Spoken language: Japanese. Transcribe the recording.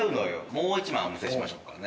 もう１枚お見せしましょうかね。